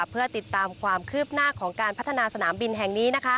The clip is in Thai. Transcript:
เพื่อติดตามความคืบหน้าของการพัฒนาสนามบินแห่งนี้